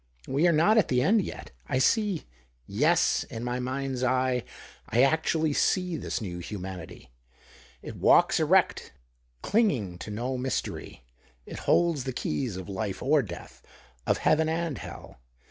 We are not at the end yet. I see — yes, in my mind's eye, I actually see — this new humanity. It walks erect, cringing to no mystery. It holds the keys of life or death — of heaven and hell.